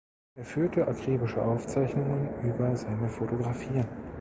Er führte akribische Aufzeichnungen über seine Fotografien.